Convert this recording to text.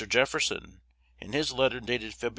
Jefferson, in his letter dated Feb.